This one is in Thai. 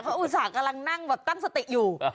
เค้าอุตส่าห์กำลังนั่งตั้งตามปืนอยู่